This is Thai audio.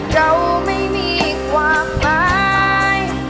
เราไม่มีความหมาย